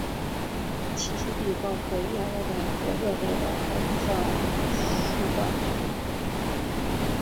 栖息地包括亚热带或热带的干燥疏灌丛。